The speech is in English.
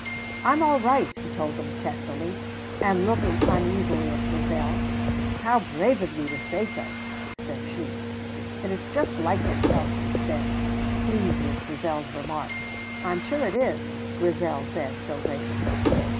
"I am all right," he told them testily, and looking uneasily at Grizel. "How brave of you to say so!" said she. "It is just like him," Elspeth said, pleased with Grizel's remark. "I am sure it is," Grizel said, so graciously.